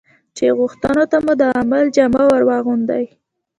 چې غوښتنو ته مو د عمل جامه ور واغوندي.